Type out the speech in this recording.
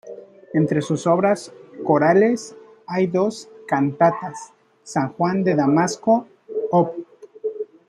Entre sus obras corales hay dos cantatas, "San Juan de Damasco," op.